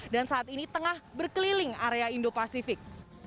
dan saat ini tengah berkeliling area indo pasifik